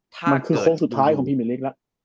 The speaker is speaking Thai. มันคือโครงสุดท้ายของทีมเป็นเล็กละ